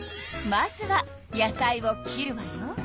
まずは野菜を切るわよ。